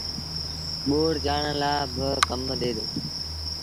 ٻوڙ چآڙڻ لآ با ڪم ڏي دو